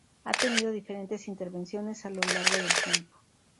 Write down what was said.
Ha tenido diferentes intervenciones a lo largo del tiempo.